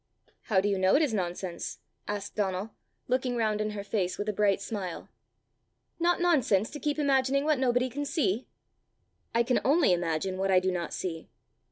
"How do you know it is nonsense?" asked Donald, looking round in her face with a bright smile. "Not nonsense to keep imagining what nobody can see?" "I can only imagine what I do not see."